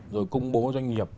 rồi công bố doanh nghiệp